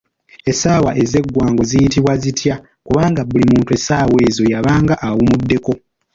Essaawa ezeggwango ziyitibwa zityo kubanga buli muntu essaawa ezo yabanga awummuddeko.